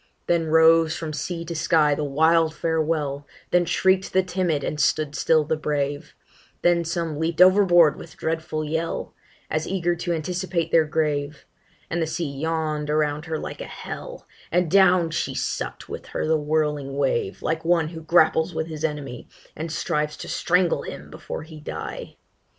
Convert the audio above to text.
Then rose from sea to sky the wild farewell Then shriek'd the timid and stood still the brave Then some leap'd overboard with dreadful yell, As eager to anticipate their grave; And the sea yawn'd around her like a hell, And down she suck'd with her the whirling wave, Like one who grapples with his enemy, And strives to strangle him before he die.